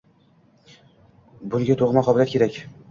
Bunga tug‘ma qobiliyat kerak!